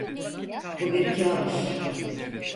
Bu bir kabus.